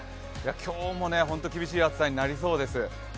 今日も本当に厳しい暑さになりそうです。